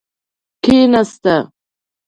کیناسته.